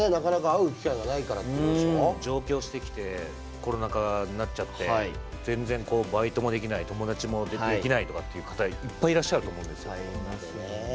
上京してきてコロナ禍になっちゃって全然バイトもできない友達もできないとかっていう方いっぱいいらっしゃると思います。